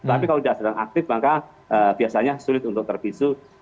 tapi kalau sudah sedang aktif maka biasanya sulit untuk terpisuh